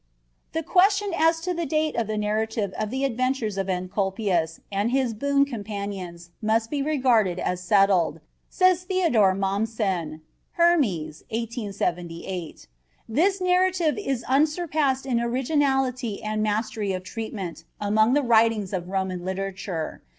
"The question as to the date of the narrative of the adventures of Encolpius and his boon companions must be regarded as settled," says Theodor Mommsen (Hermes, 1878); "this narrative is unsurpassed in originality and mastery of treatment among the writings of Roman literature.